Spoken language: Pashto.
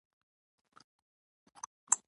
نفت د افغانستان د دوامداره پرمختګ لپاره اړین دي.